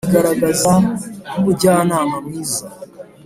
wigaragaza nk’umujyanama mwiza,